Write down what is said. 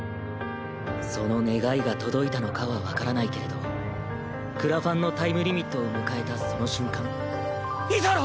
その願いが届いたのかは分からないけれどクラファンのタイムリミットを迎えたその瞬間水原！